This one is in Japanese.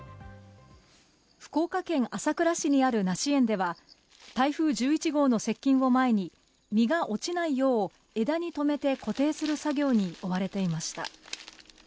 福岡県朝倉市にある梨園では台風１１号の接近を前に実が落ちないよう枝にとめて固定する作業に追われていました。